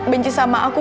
benci sama aku